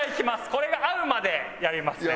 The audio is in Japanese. これが合うまでやりますね。